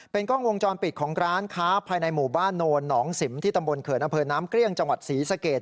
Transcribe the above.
กล้องวงจรปิดของร้านค้าภายในหมู่บ้านโนนหนองสิมที่ตำบลเขินอำเภอน้ำเกลี้ยงจังหวัดศรีสะเกด